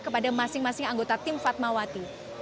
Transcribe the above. kepada masing masing anggota tim fatmawati